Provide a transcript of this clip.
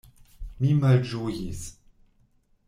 Mi malĝojis.